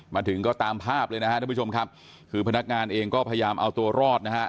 มาถึงก็ตามภาพเลยนะฮะท่านผู้ชมครับคือพนักงานเองก็พยายามเอาตัวรอดนะฮะ